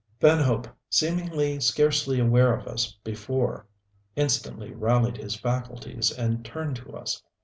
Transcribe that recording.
Van Hope, seemingly scarcely aware of us before, instantly rallied his faculties and turned to us.